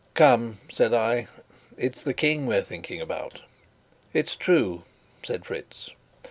"Come," said I, "it is the King we are thinking about." "It is true," said Fritz.